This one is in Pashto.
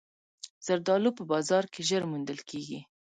زردالو په بازار کې ژر موندل کېږي.